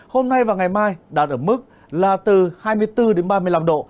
hôm nay và ngày mai đạt ở mức là từ hai mươi bốn đến ba mươi năm độ